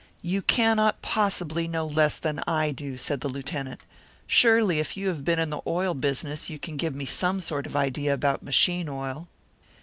"You cannot possibly know less than I do," said the Lieutenant. "Surely, if you have been in the oil business, you can give me some sort of an idea about machine oil."